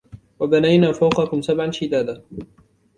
وبنينا فوقكم سبعا شدادا